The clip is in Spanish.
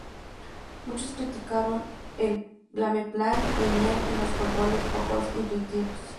Muchos criticaron el gameplay lineal y los controles poco intuitivos.